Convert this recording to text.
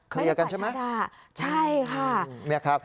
ไม่ได้ปะฉะด่าใช่ค่ะ